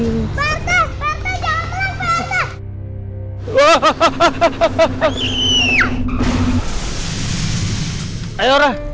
berta berta jangan pelan berta